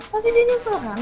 pasti dia nyesel kan